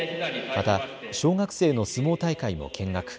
また小学生の相撲大会も見学。